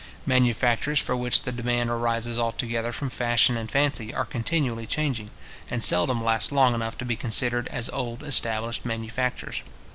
Manufactures for which the demand arises altogether from fashion and fancy, are continually changing, and seldom last long enough to be considered as old established manufactures.